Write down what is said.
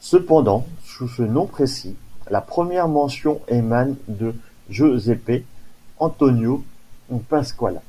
Cependant, sous ce nom précis, la première mention émane de Giuseppe Antonio Pasquale.